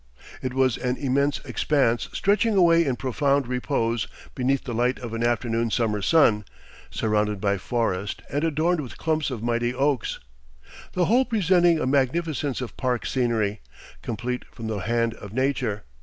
It was an immense expanse stretching away in profound repose beneath the light of an afternoon summer sun, surrounded by forest and adorned with clumps of mighty oaks, "the whole presenting a magnificence of park scenery complete from the hand of nature."